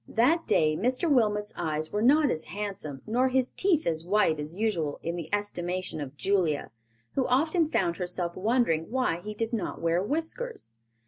That day Mr. Wilmot's eyes were not as handsome nor his teeth as white as usual in the estimation of Julia, who often found herself wondering why he did not wear whiskers.